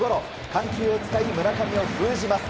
緩急を使い村上を封じます。